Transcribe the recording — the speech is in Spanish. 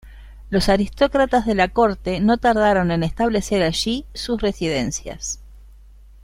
Los aristócratas de la corte no tardaron en establecer allí sus residencias.